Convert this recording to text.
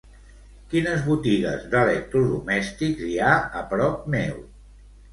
Quines botigues d'electrodomèstics hi ha a prop meu?